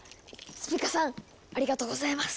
スピカさんありがとうございます！